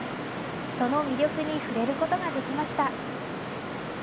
その魅力に触れることができました。